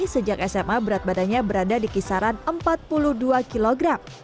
sejak sma berat badannya berada di kisaran empat puluh dua kg